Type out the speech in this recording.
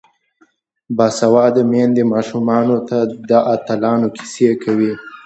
باسواده میندې ماشومانو ته د اتلانو کیسې کوي.